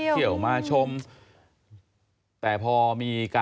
แค่นี่